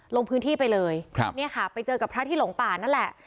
ลงพื้นที่ไปเลยครับเนี่ยค่ะไปเจอกับพระที่หลงป่านั่นแหละ